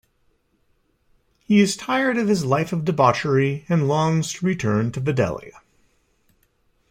He is tired of his life of debauchery and longs to return to Fidelia.